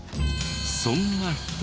そんな人。